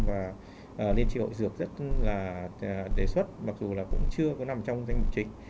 và liên tri hội dược rất là đề xuất mặc dù là cũng chưa có nằm trong danh mục chính